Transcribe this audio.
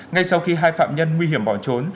ngay sau khi hai phạm nhân nguy hiểm bỏ trốn